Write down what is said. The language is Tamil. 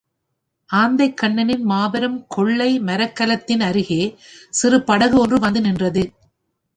ஆந்தைக்கண்ணனின் மாபெரும் கொள்ளை மரக்கலத்தின் அருகே சிறு படகு ஒன்றும் வந்து நின்றது.